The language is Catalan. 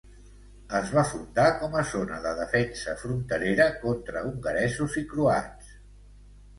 Es va fundar com a zona de defensa fronterera contra hongaresos i croats.